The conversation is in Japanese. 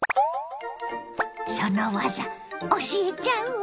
その技教えちゃうわ！